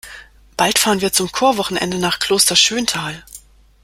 Bald fahren wir zum Chorwochenende nach Kloster Schöntal.